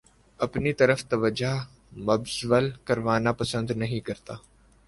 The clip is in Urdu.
اپنی طرف توجہ مبذول کروانا پسند نہیں کرتا